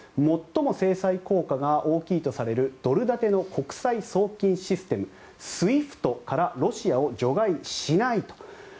最も制裁効果が大きいとされるドル建ての国際送金システムＳＷＩＦＴからロシアを除外しないと。